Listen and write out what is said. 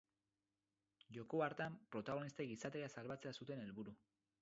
Joko hartan protagonistek gizateria salbatzea zuten helburu.